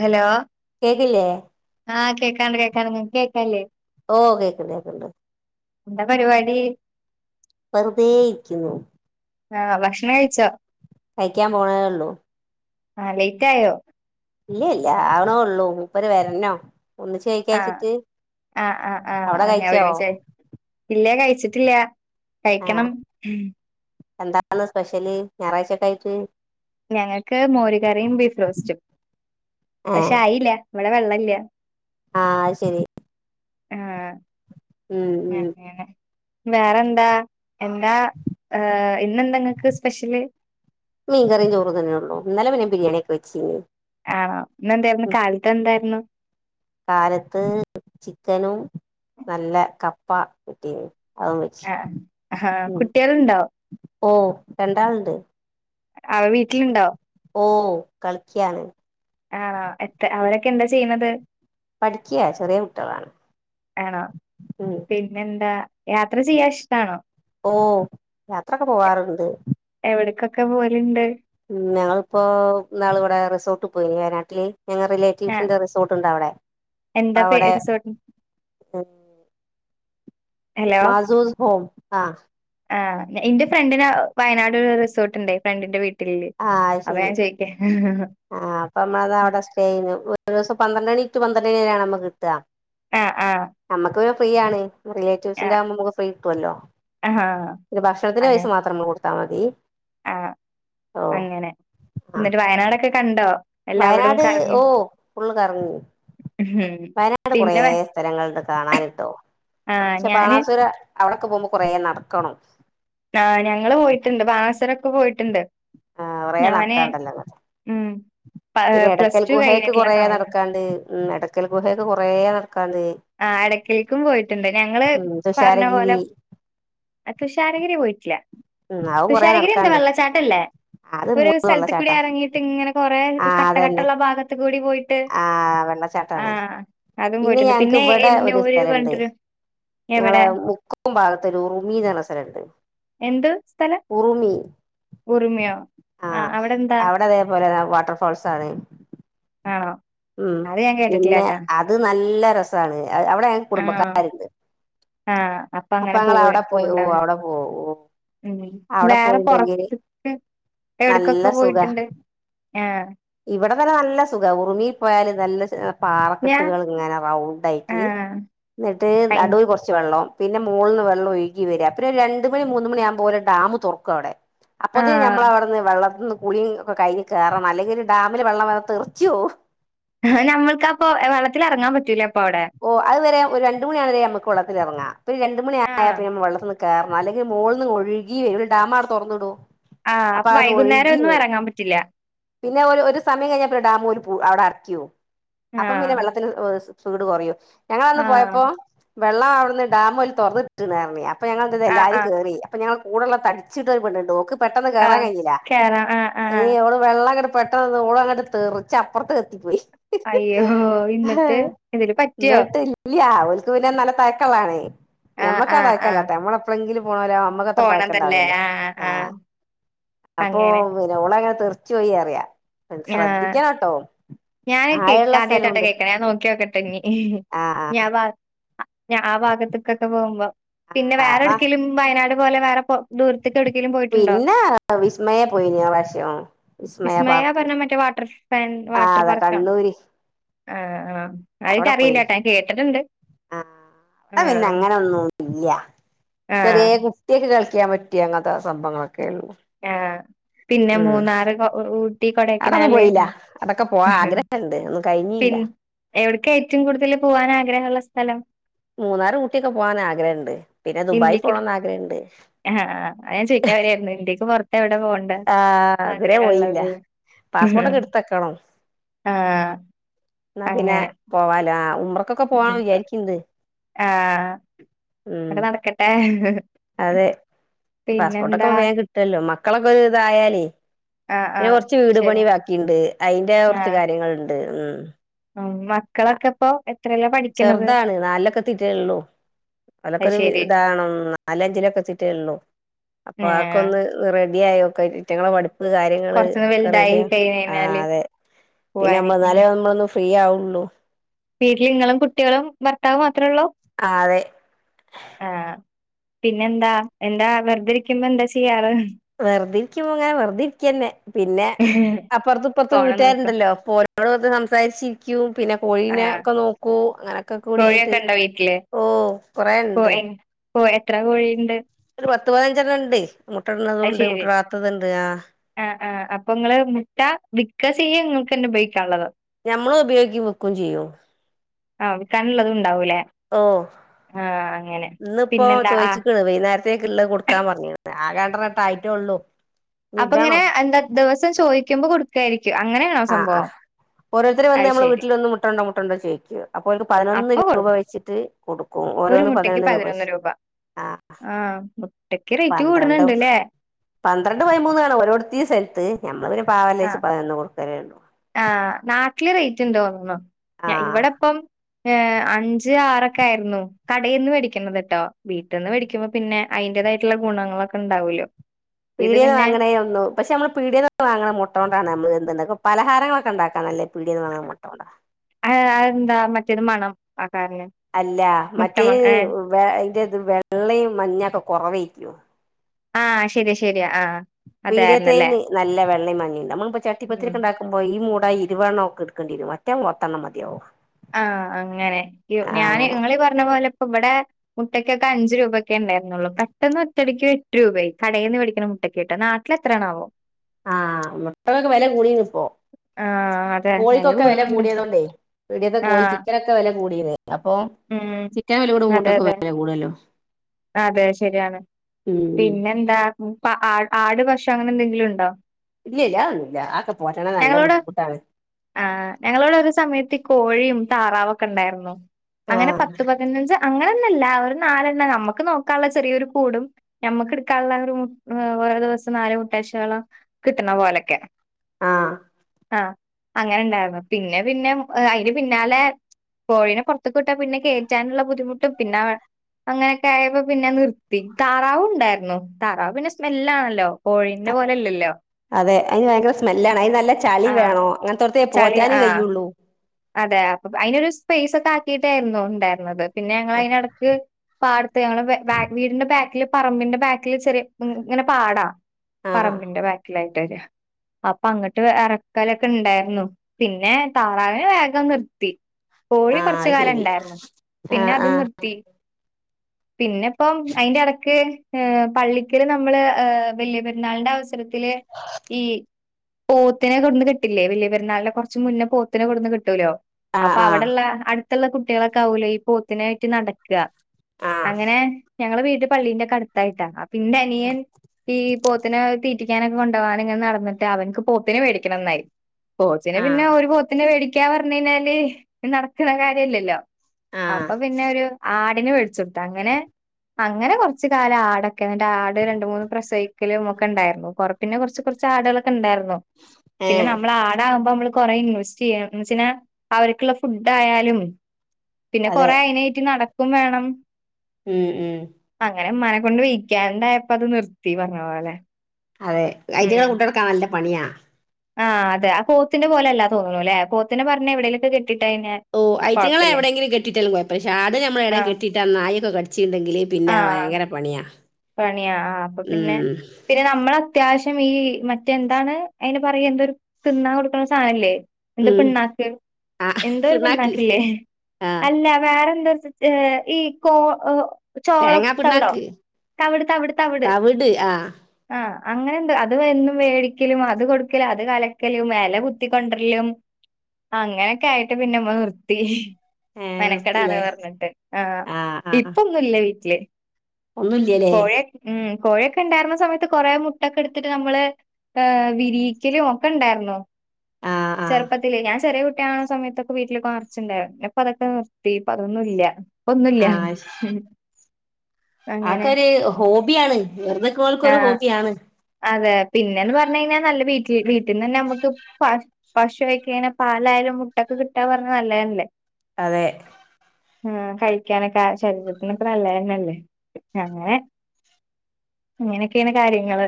Hello കേക്കില്ലേ ആഹ് കേക്കാണ്ട് കേക്കാണ്ട് ഇങ്ങക്ക് കേക്കാല്ലേ ഓ കേക്ക്ണ്ട് കേക്കണ്ട് എന്താ പരിപാടി വെറുതെയിരിക്കുന്നു ആ ഭക്ഷണം കഴിച്ചോ? കഴിക്കാൻ പോണേയുള്ളൂ ആ ച്ച് ലൈറ്റ് ആയോ? ഇല്ല ഇല്ല ആവണേ ഉള്ളൂ മുപ്പര് വേരന്നോ ആ ആഹ് ആഹ് ആഹ് അവിടെ അങ്ങനെ കഴിച്ചോ ഒരുമിച്ച് കഴിക്ക ഇല്ല കഴിച്ചിട്ടില്ല ആ കഴിക്കണം എന്താണ് സ്പെഷ്യല് ഞായറാഴ്ചൊക്കെ ആയിട്ട് ഞങ്ങൾക്ക് മോര് കറിയും ബീഫ് റോസ്റ്റും ആ പഷെ ആയില്ല ഇവിടെ വെള്ളല്ല്യ ആ അയ്ശെരി ആഹ് ഉം ഉം അങ്ങനെ വേറെന്താ എന്താ ഏ ഇന്നെന്താങ്ങക്ക് സ്പെഷ്യല് മീൻകറിയും ചോറും തന്നെ ഉള്ളൂ ഇന്നലെ പിന്നെ ബിരിയാണിയൊക്കെ വെച്ചിന് ആ ഇന്ന് എന്തായിരുന്നു കാലത്ത് എന്തായിരുന്നു കാലത്ത് ചിക്കനും നല്ല കപ്പ കിട്ടീന് അതും വെച്ച് ആഹ് ആഹ് ഉം കുട്ടികളുണ്ടോ ഓ രണ്ടാളുണ്ട് അവ വീട്ടിലുണ്ടോ ഓ കളിക്കാണ് ആണോ എത്ര അവരൊക്കെ എന്താ ചെയ്യുന്നത് പഠിക്കയാ ചെറിയ കുട്ടികളാണ് ആണോ ഉ പിന്നെന്താ യാത്ര ചെയ്യാൻ ഇഷ്ടാണോ ഓ യാത്രക്ക് പോവാറണ്ട് വിടക്കൊക്കെ പോലുണ്ട് ഉഞങ്ങിപ്പോ നാള ഇവിടെ റിസോർട്ടിൽ പോയിനി വയനാട്ടില് ഞങ്ങൾ ആ റിലേറ്റീവ്സി്റെ റിസോർട്ടുണ്ട് അവിടെ അപ്പ എന്താ പേ അവിടെ റിസോർട്ട് ഹലോ മാസോസ് ഹോം ആഹ ആ എന്റെ ഫ്രണ്ടിൻ വയനാട് ഒരു റിസോർട്ടുണ്ട് ഫ്രണ്ടിന്റെ വീട്ട ആഹ ശരി ആഹ അപ്പൊ നമ്മളത് അവിടെ സ്റ്റേ ചെയ്യുന്നു ഒരു ദിവസം പന്ത്രണ്ട് മണിക്ക് ന പന്ത്രരാണ് നമു കിട്ടുക ആഹ ആഹ ഫ്രീയാണ് റിലേറ്റീവ്സിൻന്റെ ആകുമ്പോ നമക്ക് ഫ്രീ കിട്ടല്ലോ ആ ഒരു ഭക്ഷണത്തിന്റെ പൈസ മാത്ര നമ്മൾ കൊടുത്താൽ മതി അ ആഹ് അങ്ങനെ ആഹ് എന്നിട്ട് വയനാടൊക്കെ കണ്ടോ എല്ലാവിടും വയനാട് കറങ്ങി ഓ ഫുള്ള് കറങ്ങി ഉം വയനാട് കുറെ പിന്നെ വേ- സ്ഥലങ്ങളണ്ട് കാണാനിട്ടോ ആ പക്ഷെ ഞാന് ബാണാസുര അവളൊക്കെ പോകുമ്പോ കൊറേ നടക്കണം ആഹ ഞങ്ങള്ൾ പോയിട്ടുണ്ട് ബാാനാസവരൊക്കെ പോയിട്ടുണ്ട് ആ് കുറ ഞാന് നടക്കാണ്ടല്ലോ ഉം പിന്നെ പ്ലസ് എടയ്ക്കൽ ടു ഗുഹൊക്കെ കഴിഞ്ഞിട്ടുള്ള കൊറെേ സമയത്ത് നടക്കാണ്ട് ഉ എടയ്ക്കൽ ഗുഹയൊക്കെ കൊറ നടക്ക ആ് ഇടക്കയിലേക്കും പോയിട്ടുണ്ട് ഞങ്ങള് ഉം പറഞ്ഞ പോലെ തുഷാരഗിരി തുഷാരഗിരി പോയിട്ടു ഇല്ല ഉം അതും കൊറേ തുഷാരഗിരി എന്താ നടക്കാണ്ട് വെള്ളച്ചാട്ടല്ലേ അത് ഒരു മൂന്ന് സ്ഥലത്ത കൂടി വെള്ളച്ചാട്ടാ ഇറങ്ങിയിട്ട് ഇങ്ങനെ കൊറെേ ആഹ് അതന്നെ കട്ടകട്ടുള്ള ഭാഗത്ത കൂടി പോയിട്ട് ആഹ് ആഹ അതും പോയിട്ടുണ്ട് ക്ക് പിന്നെ ഇവിടെ ഒരു എന്നൂര് സ്ഥലുണ്ട് പറഞ്ഞിട്ടൊരു ഞങ്ങളെ എവിടെ മുക്കും ഭാഗത്ത് ഒരു ഉറമിന്ന് പറഞ്ഞ സ്ഥലുണ്ട് എന്ത് സ്ഥലം ഉറുമി ഉറുമിയോ ആഹ ആഹ് അവിടെന്താ അവിടതേപോലെ വാട്ടർഫാൾസാ ണ് ആണോ ഉം അത് ഞാൻ പിന്നെ കേട്ടിട്ടില്ലാട്ടാ. അത് നല്ല രസാണ് ആ അവിടെ ഞ ആണോ കുടുംബക്കാാര്ണ്ട് ആഹ് അപ്പൊ അപ്പ അങ്ങനെ ങ്ങള പോവ വിടെ പോയി ഓ പോവ്ണ്ടാവും. അവിടെ പോ ഓ ഉം അവിടെ വേറെ പോയിണ്ടെങ്കില് പൊറത്ത്ക്ക് നല്ല എവിട്ക്കൊക്കെ സുഖ പോയിട്ടുണ്ട്. ആഹ് ഇവിടെ തന്നെ നല്ല സുഖ ഉറുമി പോയല് നല്ല [unintelligible] ഞാ പാറക്കെട്ടുകളിങ്ങനെ റൗണ്ട് ആയിട്ട് ആഹ് ന്നട്ട് അയിന് നടൂല് കൊർച് വെള്ളം പിന്നെ മോൾ ന്ന് വെള്ളൊഴ്കി വര്യ ത്രിരു രണ്ട് മണി മൂന്ന് മണി ആക്പോ പോല ഡാം തൊർക്കടെ അപ്പോത്തിന് ആഹ് ഞമ്മലൗടുന്ന് വെള്ളത് ന്ന് കുളീം ഒക്കെ കഴിഞ്ഞ കേറണം അല്ലെങ്കില് ഡാമില് വെള്ളം വെന്ന തെറിച്ചോ നമ്മക്കപ്പൊ വെള്ളത്തിലെ റങ്ങാൻ പറ്റൂല അപ്പൊ അവിടെ ഓ അഹ് വരെ ഒരു രണ്ട് മണ്യാവ ണെരെ അമ്മക് വെ ളള്ളത്തിലെൽറങ്ങാം ഒരു രണ്ട മണിയായാ ആഹ് പിന്നേ വെള്ളത്തന്ന് കാർ അല്ലെങ്കി മോളന്ന് ഒഴുകിവ [unintelligible] ഡാമാ ടെ തൊറന്ന്ടൊ ആഹ് അപ്പൊ അവിന്ന് വൈകുന്നേരം ഒഴുകി ഒന്നും വരും ഇറങ്ങാൻ പറ്റില്ല പിന്നെ ഒരു ഒരു സമയം കഴിഞാ പ്പ ഡാമോൽ പൂ അവിടെ അർക്കിയോ അപ്പം പിന്നെ ആഹ് വെള്ളത്തിന് ഓർസ് വീട് കൊറയോ ഞങ്ങള ന്ന് ആഹ് പോയപ്പോം വെള്ളം ഔട്ന്ന് ഡാം ഓല് തൊറന്ന്ട്ട് ണ് അറിഞ് പ്പ ഞങ്ങള് ത് തെ ആഹ് എല്ലാരും ആഹ് കേറി അപ്പൊഞാൻ കൂടെള്ള തടിച്ചിട്ടൊരു പെണ്ണ് ണ്ട് ഓക്ക് പെട്ടെന്ന് കേറാൻ ആഹ് കൈഞ്ജീല്ല കേറാ ആഹ് ആഹ് ഈ ഓൾ വെള്ളങ്ങട്ട് പെട്ടെന്നോള അങ്ങട്ട് തെറച്ചപ്പറത്ത് എത്തിപ്പോയി അയ്യോ ഇന്നട്ട് എന്തേലും പറ്റിയോ ല്ലാ ഓല്ക് പിന്ന നല്ല തയക്കള്ളാണേ ആഹ് ഞമ്മക്കാ ആഹ് ആഹ് തയക്കല്ലാത്തെ അമ്മളെപ്പെളെങ്കിലും പോണോ ലാ അമ്മക്ക് അത്ര പോണതല്ലേ തയക്കണ്ടാവല്ലോ ആഹ് ആ ആഹ് അപ്പോ അങ്ങനെ പിന്നെ ഓളങ്ങന തെർച്ചോയീ അറിയ ആഹ ഞാനോക്കെ ആഴള്ള ക്കാദ്യയിട്ടാട്ടോ സ്ഥലവുണ്ട് കേക്ക് ണെ ഞാൻ നോക്കിയോക്ക ട്ടഞ് ഈ ഹ് ആഹ് ഞാവർ ഞാൻ ഭാഗത്തക്കൊക്കെ പോകുമ്പോ പിന്നെ ആഹ് ആഹ് വേറെടുക്കലും വയനാട് [unintelligible] പോയിട്ടുണ്ടോ പിന്നെ വിസ്മയ പോയി പ്രാവശ്യം വിസ്മയ പാർ പറഞ്ഞാ മറ്റേ വാട്ടർ വാട്ടർ പാർക്ക് ആണ് കണ്ണൂര് ആ ആ അവിടെ പോയി ആ അവിടെ പിന്നെ ആഹ് അങ്ങനെ ഒന്നും ഇല്ലൃ ആഹ് ചെറിയ കുട്ടിയക്കെ കളി വിക്കാൻ പറ്റിയഅങ്ങനത്തെ സംഭങ്ങളൊക്കെ ള്ളു ആഹ് പിന്നെ ഉം മൂന്നാറ് കൊ ഊട്ടി അവിടൊന്നും കൊടൈക്കനാല് പോയില്ല അടൊക്കെ പോവാൻ ആഗ്രഹുണ്ട് ഒന്നും കഴിഞ്ഞില്ല പിൻ എവിട്ക്കാ ഏറ്റവും കൂടുതൽ പോവാൻ ആഗ്രഹമുള്ള സ്ഥലം മൂന്നാറ് ഊട്ടിയൊക്കെ പോവാൻ ആഗ്രഹമുണ്ട് പിന്നെ ദുബായി ഇന്ത്യക്ക് പോണംന്ന് ആഗ്രഹമുണ്ട് ആഹ് ആഹ് അത് ഞാൻ ചോദിക്കാൻ [unintelligible] ആ ഇതുരെ പോയില്ല ആഗ്രഹള്ളത് പാസ്പോർട്ടൊക്കെ ആഹ് എടുത്തക്കണംഎന്നാ പിന്നെ അങ്ങനെ പോവാലോ ആ ഉമ്മറക്കൊക്കെ പോകാനാണ് വിചാരിക്കുന്നത് ആ അവിടെ നടക്കട്ടെ അതെ പാസ്പോർട്ട്ക്ക പിന്നെന്താ വേഗം കിട്ടല്ലോ മ മക്കളൊക്കെ ഇതായാലേ ആഹ് ന്നെ ആഹ് കൊറച്ച് വീട് ശരി പണി ബാക്കിണ്ട് അതിന്റെ കുറച്ച് ആഹ് കാര്യങ്ങളൾണ്ട് ഉം മക്കളൊക്കെ ഇപ്പോ എപ്പ് ചെറുതാണ് നാലിലൊക്കെ എതീറ്റേള്ളൂ അലൊക്കെ ഒരു അയ്ശരി ഇതാണ് നാലഞ്ചിലൊക്കെ എത്തിറ്റേള്ളു അപ്പൊ ആക്കെ ഏഹ് ഒന്ന് നിറ [unintelligible] കാര്യങ്ങള് കൊറച്ചൊന്ന് ഒക്കെ വലുതായി റെഡിയ കഴിഞ്ഞ് ആ കഴിഞ്ഞാല് അതെ പിന്നെ പോവാന് എന്നാലെ നമ്മളൊ ഫ്രീ ആ ഉളളു വീട്ടിൽ ഇങ്ങളും കുട്ടികളും ഭർത്താവും അത്രള്ളോ ആഹ് അതെ ആ പിന്നെന്താ എന്താ വെറുതിരിക്കുമ്പോ എന്താ ചെയ്യാറ് വെറുതെ ഇരിക്കും പോ ങ്ങനെ വെറുതെരിക്കന്നെ പിന്നെ അപ്പുറത്തും ഇപ്പുറത്തും ഫോണ് നോക്കും വീട്ടുകാരുണ്ടല്ലോ ഓരോട് സംസാരിച്ചിരിക്കും പിന്നെ കോയീനെ ആഹ് ഒക്കെ നോക്കൂ [inaudible] [unintelligible] ഒക്കെ കൂടിയായിട്ട് കോഴിയൊക്കെ ഉണ്ടോ വീട്ടില് ഓ കുറെ ഉണ്ട് ഓ എത്ര കോഴിയുണ്ട് പത്ത് പതിനഞ്ചെണ്ണം ഉണ്ടേ അത് ശരി ആഹ് ആഹ് അപ്പൊ ഇങ്ങള് മുട്ട വിക്കാ ചെയ്യ പിന്നെ ഉപയോഗിക്കാൻ ഉള്ളത് നഞമ്മള് ഉപയോഗിക്കുകയും വിക്യ ചെയ്യവോ ആഹ് വിക്കാനുള്ളത് ഉണ്ടാവൂല്ലേ ഓ ഇന്ന്പ്പോ പിന്നെന്താ ആഹ് ചോദിച്ച്ക്കണ് വൈകുന്നേരത്തേക്ക്ള്ള കൊടുക്കാൻ പറഞ്ഞ്. [unintelligible] അപ്പൊ ഇങ്ങനെ എന്താ ദെവസം ചോദിക്കുമ്പോ കൊടുക്കായിരി ആഹ് ആഹ് ഓരോരുത്തര് വന്ന് അത് നമ്മൾ ശെരി വീട്ടിൽ വന്ന് മുട്ടണ്ടോ മുട്ടണ്ടോ ചോയിക്ക അപ്പൊ അവ പതിനൊന്ന് അപ്പൊ രൂപ കൊടുക്കും വെച്ചിട്ട് കൊടുക്കും. ഒരു ഓരോന്ന് മുട്ടക്ക് പതിനൊന്ന് രൂപ വെച്ച്. ആഹ് ഇടക്ക് റേറ്റ് കൂടുന്നുണ്ട്ല്ലേ. ണ്ട് പതിമൂന്ന് ആണ്‌ ഓരോത്ത് സ്ഥലത്ത് ഞമ്മള് പാവലേച്ചു ആഹ് പതിനൊന്ന് കൊടു [unintelligible] ആഹ് നാട്ടില് റേറ്റ് ണ്ട്ന്ന്തോന്നന്നു. ആഹ് ഇവിടെപ്പം ഏഹ് അഞ്ച് ആറൊക്കെ ആയിരുന്നു. കടയിൽന്ന് വേടിക്കണത് കേട്ടോ. വീട്ടിൽന്ന് മേടിക്കുമ്പോ പിന്നെ അതിന്റേതായിട്ടുള്ള ഗുണങ്ങളൊക്കെ ഉണ്ടാവൂല്ലോ. ഇത് പീടീന്ന് പിന്നെ വാങ്ങണേയോന്നും പക്ഷെ നമ്മള് പീടീയന്ന് വാങ്ങണ മുട്ട കൊണ്ടാണ് നമ്മള് എന്തെങ്കി പലഹാരങ്ങളൊക്കെ ഉണ്ടാക്കാനല്ലേ പിടീന്ന്‌ വാങ്ങണ മുട്ട കൊണ്ടാ. ആഹ് അത് എന്താ മറ്റേതിന് മണം ആ കാരണം അല്ല മുട്ടമണം മറ്റേയ് ഏഹ് അതിന്റെത് വെള്ളയും മഞ്ഞൊക്കെ കുറവല്ലേ. ആഹ് ശരിയാ ശരി. പീടിയത്തേന് നല്ല വെള്ള മഞ്ഞയുണ്ട് നമ്മളിപ്പോ ചട്ടിപ്പത്തിരി ഉം ഉണ്ടാക്കുമ്പോ ഈ മൂ ട്ട ഇരുപത് എണ്ണം ഒക്കെ എടുക്കേണ്ടിവരും. മറ്റേ പത്തെണ്ണം മതിയാവും. ആഹ് അങ്ങനെ ഞാന് ആഹ് നിങ്ങള് പറഞ്ഞ പോലെ ഇപ്പ ഇവിടെ മുട്ടക്കൊക്കെ അഞ്ച് രൂപൊക്കെ ഉണ്ടായിരുന്നുള്ളൂ. പെട്ടന്ന് ഒറ്റടിക്കും എട്ട് രൂപ ആയി കടയിൽ നിന്ന് പേടിക്കുന്ന മുട്ടക്കെ നാട്ടിൽ എത്രയാണാവോ? ആഹ് മുട്ടക്കൊക്കെ വില കൂടി ഇപ്പോ. ആഹ് അതെ വെല കോഴിക്കൊക്കെ വില കൂടുന്നുണ്ട് കൂടിയതോണ്ടേ. ടിയക്കെ കോഴി ആഹ് ചിക്കനോക്കെ വെല കൂടിത്. ഉം അതെ അതെ വെല കൂടല്ലോ അതെ ശരിയാണ്. ഉം പിന്നെന്താ ആടു ഭക്ഷ അങ്ങനെന്തെങ്കിലും ഉണ്ടോ? ഇല്ല ഇല്ല അ ഒന്നുമില്ല ആക്കെ പോട്ടണ നല്ല ഞങ്ങളോട് ബുദ്ധിമുട്ടാണ്. ആഹ് ഞങ്ങളോട് ഒരു സമയത്ത് ഈ കോഴിയും താറാവൊക്കെ ഉണ്ടായിരുന്നു. അങ്ങനെ ആഹ് പത്ത് പതിനഞ്ച് അങ്ങനെ നല്ല ഒരു നാലെണ്ണ നമ്മക്ക് നോക്കാനുള്ള ചെറിയൊരു കൂടും ഞമ്മക്ക് എടുക്കാനുള്ള ഒരു ഓരോ ദിവസം നാല് മുട്ടാശകളോ കിട്ടണ പോലൊക്കെ. ആ ആ അങ്ങനെണ്ടായിരുന്നു. പിന്നെ പിന്നെ അതിന് പിന്നാലെ കോഴിനെ ത്ത് കിട്ടാ പിന്നെ കേറ്റാനുള്ള ബുദ്ധിമുട്ടും പിന്നെ അങ്ങനെയൊക്കെ ആയപ്പോ പിന്നെ നിർത്തി താറാവും ഉണ്ടായിരുന്നു. താറാവ് പിന്നെ സ്മെല്ലാണല്ലോ. കോഴീന്റെ പോലെല്ലല്ലോ അതെ അതിന് ഭയങ്കര സ്മെല്ലാണ്. അതിന് നല്ല ചളി ആഹ് വേണോ അങ്ങനെത്തോടത്ത ചളി പോറ്റാനും ആഹ് കയുള്ളൂ. അതെ അപ്പൊ അതിനൊരു സ്പേസ് ഒക്കെ ആക്കിയിട്ടായിരുന്നു. ഉണ്ടായിരുന്നത്. പിന്നെ ഞങ്ങളയ്നെ എടക്ക് പാടത്ത് ഞങ്ങളെ ബ വീടിന്റെ ബാക്കില് എപ്പോ പറമ്പിന്റെ ബാക്കിൽ ചെറിയ ഇങ്ങനെ പാടാ ആഹ് ആഹ് പറമ്പിന്റെ ബാക്കിലായി അപ്പൊ അങ്ങോട്ട് ഇറക്കലൊക്കെ ഉണ്ടായിരുന്നു പിന്നെ താറാവി വേഗം നിർത്തി കോഴി ആഹ് കൊറച്ച് അത് കാലം ശരി ഉണ്ടായിരുന്നു പിന്നെ ആഹ് അതും ആഹ് നിർത്തി പിന്നെ ഇപ്പം അയിന്റെ എടക്ക് ഏഹ് പള്ളിക്കല് നമ്മള് ഏഹ് വലിയ പെരുന്നാളിന്റെ അവസരത്തില് ഈ പോത്തിനെ കൊടുന്ന് കെട്ടില്ലേ വല്യ പെരുന്നാളിന്റെ കുറച്ച് മുന്നേ പോത്തിനെ കൊടുന്ന് കെട് ട്ടൂലോ ആഹ് അപ്പൊ ആഹ് അവിടൊള്ള അടു ത്തുള്ള കുട്ടികളൊക്കെ ആവൂലോ ഈ പോത്തിനായിട്ട് നടക്ക്ക ആഹ് അങ്ങനെ ഞങ്ങള് വീട് പള്ളിന്റെ ഒക്കെ അടുത്തായിട്ടാ ഇൻ്റനിയൻ ഈ പോത്തിനെ തീറ്റിക്കാനൊക്കെ കൊണ്ട്പോകാൻ ഇങ്ങനെ നടന്നിട്ട് അവൻക്ക് പോത്തിന് മേടിക്കണംന്നായി പോത്തിനെ പിന്നെ ആഹ് ഒരു പോത്തിനേ വേടി ക്കാ പറഞ്ഞ് കഴിഞ്ഞാല് നടക്കണ കാര്യല്ലല്ലോ ആഹ് അപ്പൊ പിന്നെ ഒരു ആ ആടിനെ വേടിച്ചുകൊടുത്തു അങ്ങനെ അങ്ങനെ കൊറച്ച് കാലം അടൊക്കെ എന്നിട്ട് ആട് രണ്ട് മൂന്ന് പ്രസവിക്കലും ഒക്കെ ഉണ്ടായിരുന്നു കൊ പിന്നെ കൊറച്ച് കൊറച്ച് ആടുകളൊ ണ്ടായിരുന്നു പിന്നെ ഏഹ് നമ്മൾ ആടാകുമ്പോ നമ്മള് കുറേ ഇൻവെസ്റ്റ് ചെയ്യണം എന്ന് വെച്ച്ഞ്ഞ അവർക്കുള്ള ഫുഡ് ആയാലും പിന്നെ അതെ കൊറേ അയിനായിറ്റ നട ക്കും വേണം ഉം ഉം അങ്ങനെ ഉമ്മാനെ കൊണ്ട് വിക്കാണ്ടായപ്പോ അത് നിർത്തി പറഞ്ഞ പോല്ലെ അതെ ഐറ്റങ്ങളെ കൊണ്ടടക്കാൻ നല്ല പണിയാ ആഹ് അതെ പോത്തിന്റെ പോലല്ല തോന്നുന്നു അല്ലേ പോത്തിന് പറഞ്ഞ എവിടേലൊക്കെകെട്ടി ഓ ഐറ്റങ്ങളെ എവിടെങ്കിലും കെട്ടിട്ടാലും കൊയപ്പല്ല. പക്ഷെ ആട് നമ്മ എവിടെ ആഹ് കെട്ടിട്ട ആ നായൊക്കെ കടി ആഹ് പണിയാ ആ അപ്പൊ പിന്നെ ഉം പിന്നെ നമ്മൾ അത്യാവശ്യം ഈ മറ്റെന്താണ് അതിന് പറയ എന്തൊരു തിന്നാൻ കൊടുക്കണ സാനംല്ലേ എന്താ ഉം പിണ്ണാക്ക് ആഹ് എന്തോ ഒരു പിണ്ണാക്ക് പിണ്ണാക്കില്ലേ ആഹ് അല്ല വേറെന്തോ ഒരു ഏ ഈ കോ ഓ ചോളം തേങ്ങാ തവിടോ പിണ്ണാക്ക് തവിട് തവിട് തവിട് ആ അങ്ങനെ ണ്ട്. അത് എന്നും മേടിക്കലും അത് കൊടുക്കലും അത് കലക്കലും എല കുത്തിക്കൊണ്ടരലും അങ്ങനെയൊക്കെ ആയിട്ട് പിന്നമ്മള് നിർത്തി. ഏഹ് മെനക്കടാണ് നിർത്തില്ലേ പർഞ്ഞിട്ട്. ആ ആഹ് ആഹ് ഇപ്പം ന്നുല്ല വീട്ടില്. ഒന്നുല്ല്യലേ കോയെ ഉം കോഴയൊക്കെ ഉണ്ടായിരുന്ന സമയത്ത് കൊറെ മുട്ടൊക്കെ എട്ത്തിട്ട് നമ്മള് വിരിയിക്കലും ഒക്കെ ഉണ്ടാർന്നു. ആഹ് ആഹ് ചെറുപ്പത്തിലേ, ഞാൻ ചെറിയ കു ട്ടിയാവണ സമയത്തൊക്കെ വീട്ടിലൊക്ക നർച്ചുണ്ടായിരുന്നു. പിന്നപ്പതൊക്കെ നിർത്തി. ഇപ്പൊ അതൊന്നും ഇല്ല. ഇപ്പം ഒന്നൂല്ല്യാ അ ഒക്കരു ഹോബിയാണ്. വെർതെ നിക് ണോൽക്കൊരു ആഹ് ഹോബിയാണ്. അതെ. പിന്നെന്ന് പറഞ്ഞഴിഞ്ഞാൽ നല്ല വീട്ടിൽ വീട്ടീന്ന് തന്നെ നമുക്ക് പ പശു ആയ്ക്കെയ്ഞ്ഞാ പാലായാലും മുട്ടൊക്കെ കിട്ടാന്ന് പർഞ്ഞാ നല്ലതല്ലേ. അതെ ആ കഴിക്കാനൊക്കെ ശരീരത്തിനൊക്കെ നല്ലതണല്ലേ അങ്ങനെ ഇങ്ങനെയൊക്കെയാണ് കാര്യങ്ങള്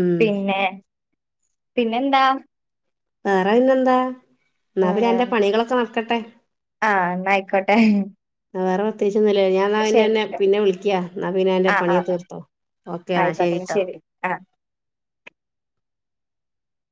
ഉം പിന്നെ പിന്നെന്താ വേറെ പിന്നെന്താ എന്നാ പിന്നെ ആഹ് അന്റെ പണികളൊക്കെ നടക്കട്ടെ ആഹ് ന്നാ ആയിക്കോട്ടെ വേറെ പ്രതേ ഞാൻ ശരി പിന്നെന്നെ പിന്നെ വിളിക്ക. എന്നാ പിന്നെ എന്റെ ആഹ് പണിയെ ആഹ് ആഹ് തീർത്തോ ഓക്കേ എന്നാ ആയിക്കോട്ടെ ശരിട്ടോ ശരി ആ